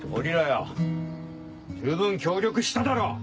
十分協力しただろ。